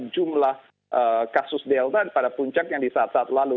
jumlah kasus delta pada puncaknya di saat saat lalu